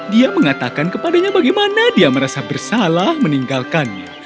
dia mengatakan kepadanya bagaimana dia merasa bersalah meninggalkannya